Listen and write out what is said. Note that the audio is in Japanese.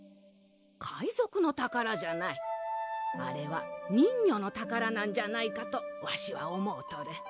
海賊の宝じゃないあれは人魚の宝なんじゃないかとわしは思うとる